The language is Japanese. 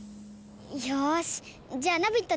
よしじゃあナビット